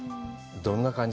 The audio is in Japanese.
どんな感じ？